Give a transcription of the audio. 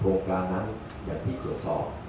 มีโอกาสสัมภาษณ์ครับเชิญครับ